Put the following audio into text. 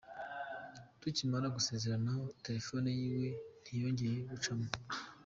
Tukimara gusezeranaho telefone y’iwe ntiyongeye gucamo.